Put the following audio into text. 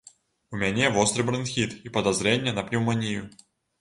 У мяне востры бранхіт і падазрэнне на пнеўманію.